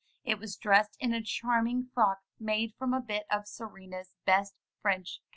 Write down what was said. It was dressed in a charming frock made from a bit of Serena's best French calico.